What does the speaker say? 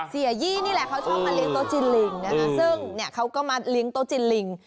ยี่นี่แหละเขาชอบมาเลี้ยโต๊จีนลิงนะคะซึ่งเนี่ยเขาก็มาเลี้ยงโต๊ะจีนลิง